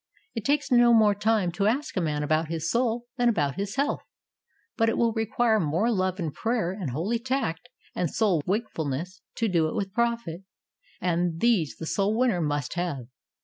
It takes no more time to ask a man about his soul than about his health, but REDEEMING THE TIME. 53 it will require more love and prayer and holy tact and soul wakefulness to do it with profit, and these the soul winner must have.